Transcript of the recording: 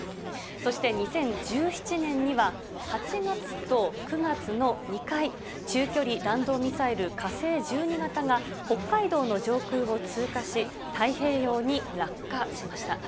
そして２０１７年には、８月と９月の２回、中距離弾道ミサイル火星１２型が北海道の上空を通過し、太平洋に落下しました。